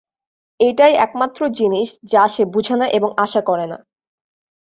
এটাই একমাত্র জিনিস যা সে বুঝেনা এবং আশা করেনা।